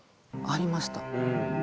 ありました。